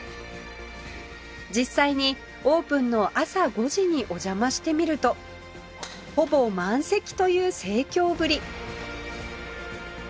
実際にオープンの朝５時にお邪魔してみるとほぼ満席という盛況ぶり